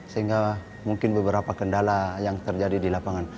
sehingga mungkin beberapa kendala yang terjadi di lapangan